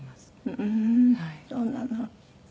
ふーんそうなの。